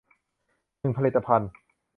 หนึ่งผลิตภัณฑ์